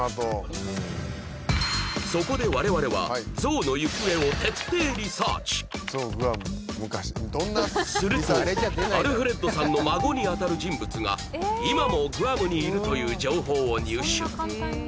そこで我々はゾウの行方をするとアルフレッドさんの孫にあたる人物が今もグアムにいるという情報を入手